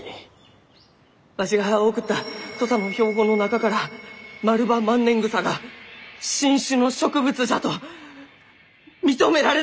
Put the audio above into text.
わしが送った土佐の標本の中からマルバマンネングサが新種の植物じゃと認められたがじゃき！